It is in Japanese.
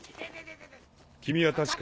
君は確か。